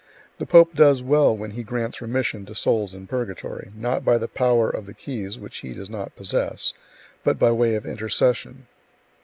The pope does well when he grants remission to souls [in purgatory], not by the power of the keys (which he does not possess), but by way of intercession.